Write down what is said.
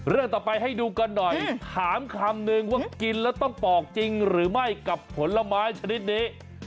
เรื่องต่อไปให้ดูกันหน่อยถามคำนึงว่ากินแล้วต้องปอกจริงหรือไม่กับผลไม้ชนิดนี้